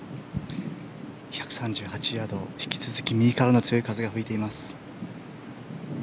１３８ヤード引き続き、右からの強い風が吹いています。